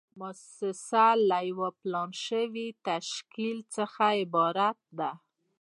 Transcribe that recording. موسسه له یو پلان شوي تشکیل څخه عبارت ده.